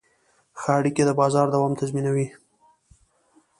ښه اړیکې د بازار دوام تضمینوي.